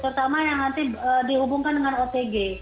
terutama yang nanti dihubungkan dengan otg